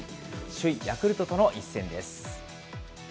首位ヤクルトとの一戦です。